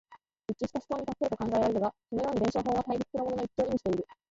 一致した思想に達すると考えられるが、そのように弁証法は対立するものの一致を意味している。